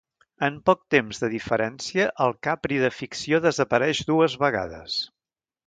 En poc temps de diferència, el Capri de ficció desapareix dues vegades.